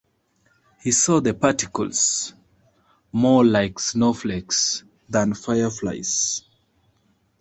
He saw the particles more like snowflakes than fireflies.